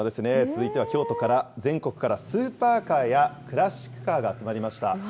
続いては京都から、全国からスーパーカーやクラシックカーが集まりました。